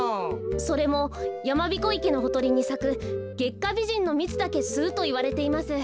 それもやまびこ池のほとりにさくゲッカビジンのみつだけすうといわれています。